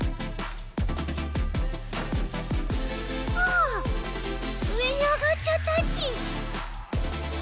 あうえにあがっちゃったち。